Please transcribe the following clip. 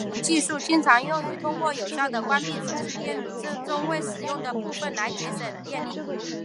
这种技术经常用于通过有效地关闭数字电路中未使用的部分来节省电力。